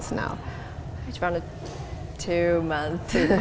sekitar dua bulan